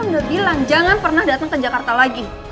udah bilang jangan pernah datang ke jakarta lagi